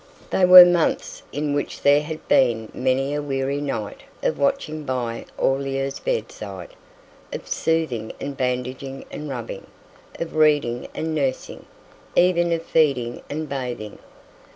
They were months in which there had been many a weary night of watching by Aurelia's bedside; of soothing and bandaging and rubbing; of reading and nursing, even of feeding and bathing.